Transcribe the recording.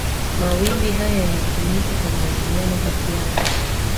mawimbi haya yalitumika kwa mawasiliano kati yao